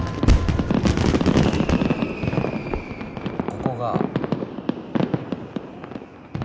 ここが。